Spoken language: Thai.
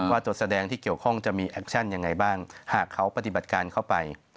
ตัวแสดงที่เกี่ยวข้องจะมีแอคชั่นยังไงบ้างหากเขาปฏิบัติการเข้าไป